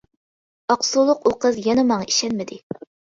ئاقسۇلۇق ئۇ قىز يەنە ماڭا ئىشەنمىدى.